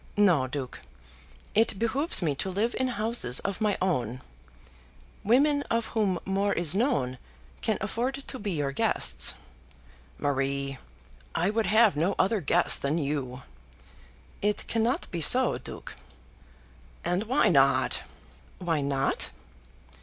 No, Duke; it behoves me to live in houses of my own. Women of whom more is known can afford to be your guests." "Marie, I would have no other guest than you." "It cannot be so, Duke." "And why not?" "Why not?